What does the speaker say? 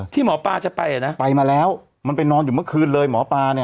ที่หมอปลาจะไปนะไปมาแล้วมันไปนอนอยู่เมื่อคืนเลยหมอปลาเนี่ย